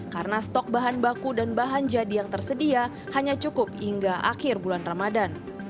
karena stok bahan baku dan bahan jadi yang tersedia hanya cukup hingga akhir bulan ramadhan